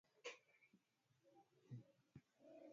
Hatua hii inatumika vyema sana nchini Singapore